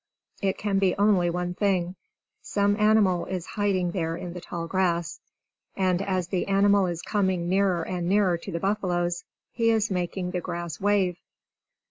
It can be only one thing! Some animal is hiding there in the tall grass! And as the animal is coming nearer and nearer to the buffaloes, he is making the grass wave!